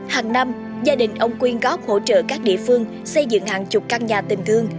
hàng năm gia đình ông quyên góp hỗ trợ các địa phương xây dựng hàng chục căn nhà tình thương